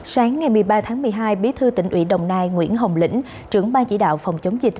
sáng ngày một mươi ba tháng một mươi hai bí thư tỉnh ủy đồng nai nguyễn hồng lĩnh trưởng ban chỉ đạo phòng chống dịch